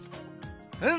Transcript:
うん。